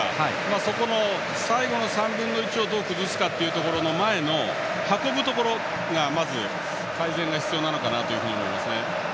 そこの最後の３分の１をどう崩すかというところの前の運ぶところがまず改善が必要だと思います。